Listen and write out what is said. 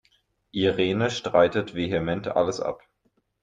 Irene streitet vehement alles ab.